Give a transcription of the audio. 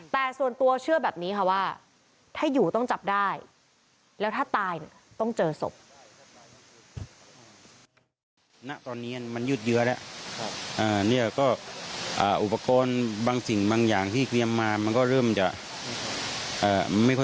แต่ส่วนตัวเชื่อแบบนี้ค่ะว่าถ้าอยู่ต้องจับได้แล้วถ้าตายต้องเจอศพ